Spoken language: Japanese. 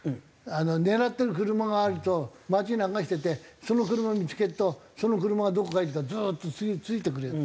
狙ってる車があると街で流しててその車見付けるとその車がどこ行くかずっとついてくる。